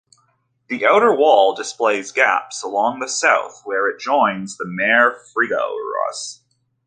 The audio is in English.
The outer wall displays gaps along the south where it joins the Mare Frigoris.